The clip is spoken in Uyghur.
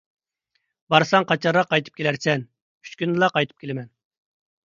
− بارساڭ قاچانراق قايتىپ كېلەرسەن؟ − ئۈچ كۈندىلا قايتىپ كېلىمەن.